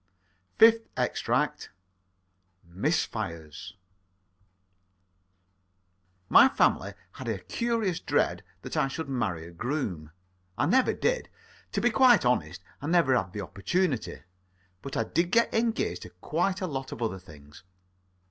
FIFTH EXTRACT MISFIRES My family had a curious dread that I should marry a groom. I never did. To be quite honest, I never had the opportunity. But I did get engaged to quite a lot of other things.